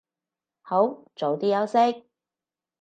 好，早啲休息